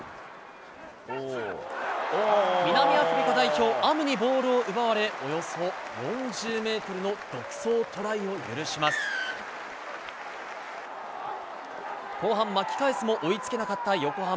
南アフリカ代表、あむにボールを奪われ、およそ４０メートルの独走トライを許し後半巻き返すも追いつけなかった横浜。